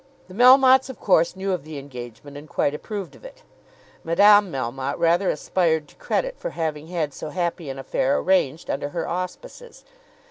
The Melmottes of course knew of the engagement and quite approved of it. Madame Melmotte rather aspired to credit for having had so happy an affair arranged under her auspices.